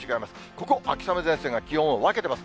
ここ、秋雨前線が気温を分けてます。